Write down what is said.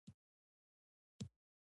ژبې د ټولو افغانانو ژوند خورا اغېزمن کوي.